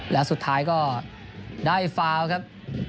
แล้วสุดท้ายก็ได้ฟาวครับ